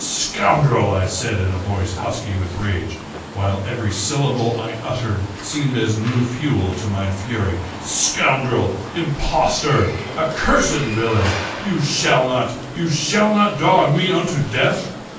"Scoundrel!" I said, in a voice husky with rage, while every syllable I uttered seemed as new fuel to my fury, "scoundrel! impostor! accursed villain! you shall not—you shall not dog me unto death!